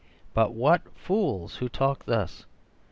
But what fools who talk thus!